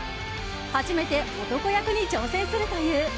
初めて男役に挑戦するという。